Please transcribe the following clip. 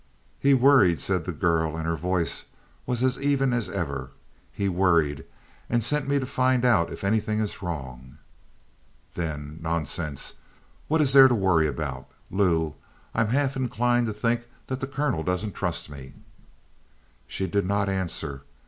"He worried," said the girl, and her voice was as even as ever. "He worried, and sent me to find out if anything is wrong." Then: "Nonsense! What is there to worry about? Lou, I'm half inclined to think that the colonel doesn't trust me!" She did not answer.